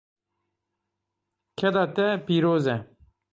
Keda te pîroz e.